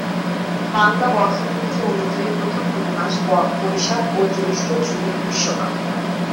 বাংলা বর্ষপঞ্জি অনুযায়ী প্রথম দুই মাস বৈশাখ ও জ্যৈষ্ঠ জুড়ে গ্রীষ্মকাল।